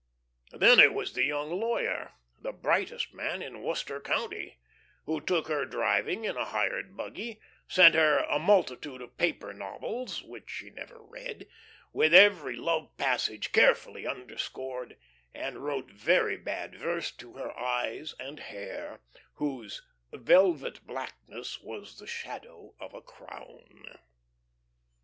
Then it was the young lawyer the "brightest man in Worcester County" who took her driving in a hired buggy, sent her a multitude of paper novels (which she never read), with every love passage carefully underscored, and wrote very bad verse to her eyes and hair, whose "velvet blackness was the shadow of a crown."